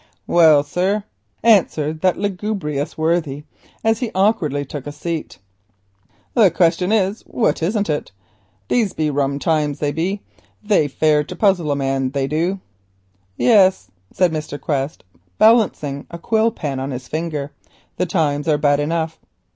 "Well, sir," answered that lugubrious worthy, as he awkwardly took a seat, "the question is what isn't it? These be rum times, they be, they fare to puzzle a man, they du." "Yes," said Mr. Quest, balancing a quill pen on his finger, "the times are bad enough."